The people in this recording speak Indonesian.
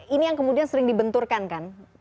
ini yang kemudian sering dibenturkan kan